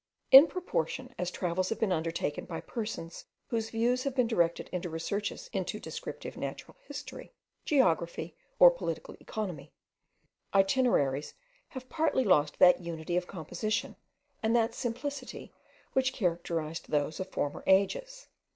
In proportion as travels have been undertaken by persons whose views have been directed to researches into descriptive natural history, geography, or political economy, itineraries have partly lost that unity of composition, and that simplicity which characterized those of former ages.